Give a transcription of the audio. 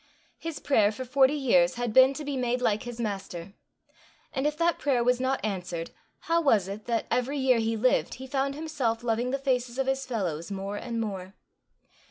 His prayer for forty years had been to be made like his master; and if that prayer was not answered, how was it that, every year he lived, he found himself loving the faces of his fellows more and more?